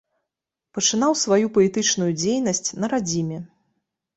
Пачынаў сваю паэтычную дзейнасць на радзіме.